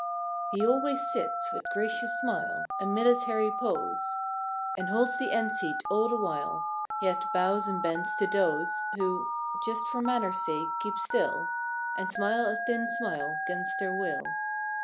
He always sits, with gracious smile. And military pose. And holds the end seat all the while; Yet, bows and bends to those Who, "just for manner's sake," keep still And smile a thin smile 'gainst their will.